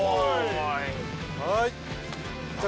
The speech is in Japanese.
はい！